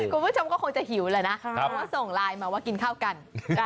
คุณผู้ชมก็คงจะหิวแหละนะเพราะว่าส่งไลน์มาว่ากินข้าวกัน